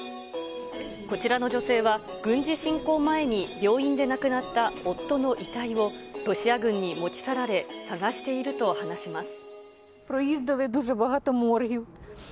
こちらの女性は、軍事侵攻前に病院で亡くなった夫の遺体をロシア軍に持ち去られ、探していると話します。